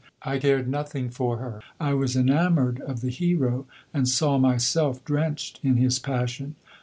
I cared nothing for her. I was enamoured of the hero, and saw myself drenched in his passion.